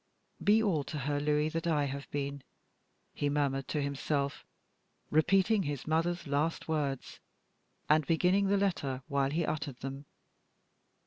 "Be all to her, Louis, that I have been," he murmured to himself, repeating his mother's last words, and beginning the letter while he uttered them.